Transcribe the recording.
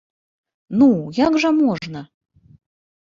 Ну, як жа можна!